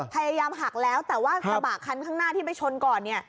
พยายามหักแล้วแต่ว่ากระบะคันข้างหน้าที่ไปชนก่อน